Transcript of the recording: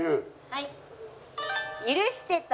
はい。